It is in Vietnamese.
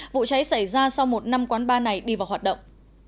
vụ cháy xảy ra sau một năm quán bar này đi vào hoạt động